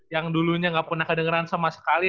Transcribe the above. yang dulunya gak pernah kedengaran sama sekali